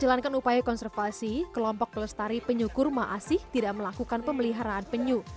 menjalankan upaya konservasi kelompok pelestari penyu kurma asih tidak melakukan pemeliharaan penyu